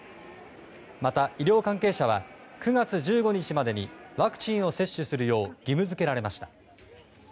また、医療関係者は９月１５日までにワクチンを接種するよう義務付けられました。